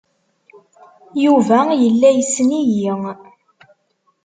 Yuba yella yessen-iyi.